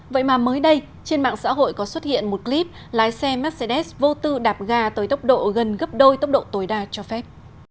vậy mà mới đây trên mạng xã hội có xuất hiện một clip lái xe mercedes vô tư đạp ga tới tốc độ gần gấp đôi tốc độ tối đa cho phép